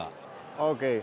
オーケー。